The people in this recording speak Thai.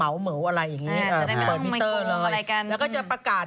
ขึ้นกิโลเมตรและ๑๐บาท